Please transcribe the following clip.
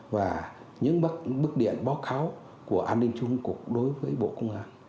và những bức điện báo cáo của an ninh chung cục đối với bộ công an